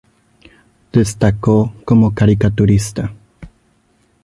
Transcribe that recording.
Destacó como caricaturista.